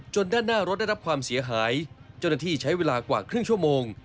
ด้านหน้ารถได้รับความเสียหายเจ้าหน้าที่ใช้เวลากว่าครึ่งชั่วโมง